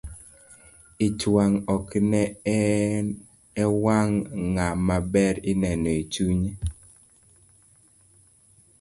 Ich wang' ok ne e wang' ngama ber ineno e chunnye.